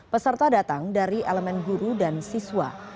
peserta datang dari elemen guru dan siswa